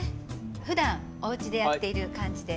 ふだんおうちでやっている感じで。